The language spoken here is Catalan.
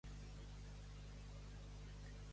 Ai, ai, ai!, cebes de godall.